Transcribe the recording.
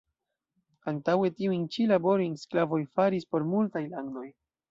Antaŭe tiujn ĉi laborojn sklavoj faris por multaj landoj.